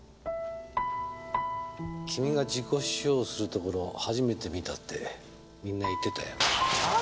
君が自己主張するところを初めて見たってみんな言ってたよ。